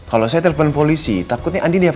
kalau saya telepon polisi takutnya andin dikacau